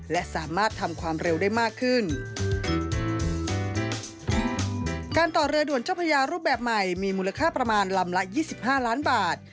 การต่อเรือด่วนเจ้าพญารูปแบบใหม่มีมูลค่าประมาณลำละ๒๕ล้านบาท